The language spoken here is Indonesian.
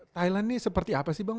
thailand ini seperti apa sih bang